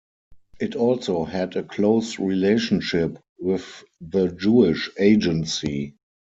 It also had a close relationship with the Jewish Agency.